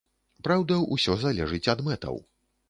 Праўда, усё залежыць ад мэтаў.